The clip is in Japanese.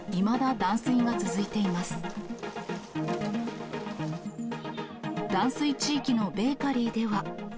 断水地域のベーカリーでは。